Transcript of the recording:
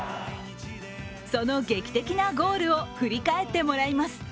その劇的なゴールを振り返ってもらいます。